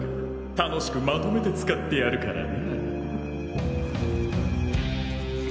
楽しくまとめて使ってやるからな。